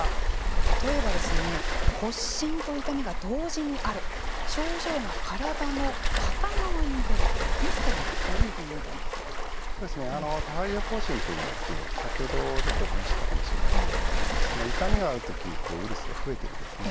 例えば発疹と痛みが同時にある症状が体の片側に出るというこのあたりはどういうふうに帯状ほう疹というのは先ほどちょっとお話ししたかもしれないですけど痛みがある時にウイルスが増えているんですね。